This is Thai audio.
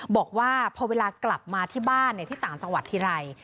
บอกว่าพอเวลากลับมาที่บ้านที่ต่างจังหวัดทีไร